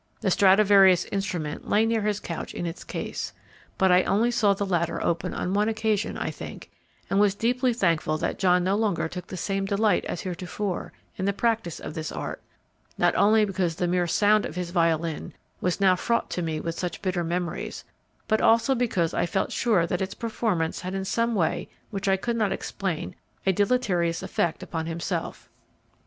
The Stradivarius instrument lay near his couch in its case; but I only saw the latter open on one occasion, I think, and was deeply thankful that John no longer took the same delight as heretofore in the practice of this art, not only because the mere sound of his violin was now fraught to me with such bitter memories, but also because I felt sure that its performance had in some way which I could not explain a deleterious effect upon himself.